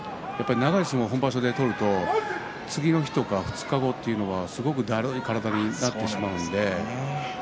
長い相撲を本場所で取ると次の日とか２日目とかすごくだるい体になってしまうので。